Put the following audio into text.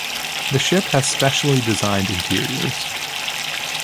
The ship has specially designed interiors.